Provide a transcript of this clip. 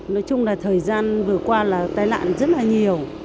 nói chung là thời gian vừa qua là tai nạn rất là nhiều